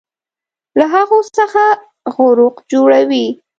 له هغو څخه غروق جوړوي